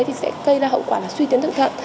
thì sẽ gây ra hậu quả là suy tiến thậm thận